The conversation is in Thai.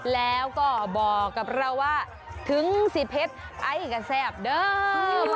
แล้วก็บอกกับเราว่าถึงสิบเพชรไอก็แซ่บเด้อ